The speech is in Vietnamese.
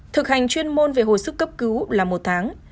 thực hành chuyên môn về hồi sức cấp cứu là một tháng